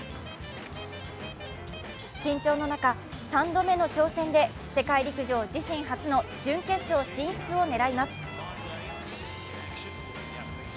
緊張の中、３度目の挑戦で、世界陸上自身初の準決勝進出を狙います。